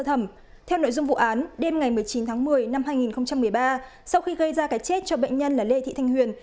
thẩm nội dung vụ án đêm ngày một mươi chín tháng một mươi năm hai nghìn một mươi ba sau khi gây ra cái chết cho bệnh nhân là lê thị thanh huyền